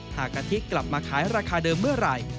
กะทิกลับมาขายราคาเดิมเมื่อไหร่